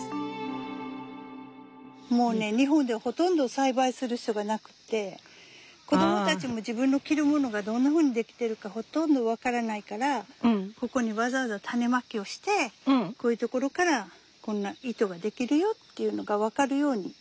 もうね日本ではほとんど栽培する人がなくて子どもたちも自分の着るものがどんなふうに出来てるかほとんど分からないからここにわざわざ種まきをしてこういうところからこんな糸が出来るよっていうのが分かるように。